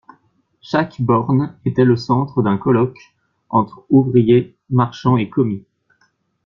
Chaque borne était le centre d'un colloque entre ouvriers, marchands et commis.